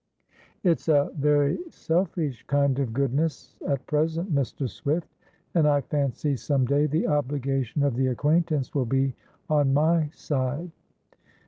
"It's a very selfish kind of goodness at present, Mr. Swift, and I fancy some day the obligation of the acquaintance will be on my side."